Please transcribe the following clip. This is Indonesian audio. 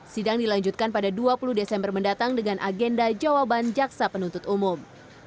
sidang dilanjutkan pada dua puluh desember mendatang dengan agenda jawaban jaksa penuntut umum